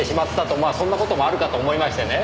まあそんな事もあるかと思いましてね。